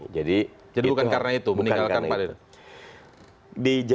jadi bukan karena itu meninggalkan partai itu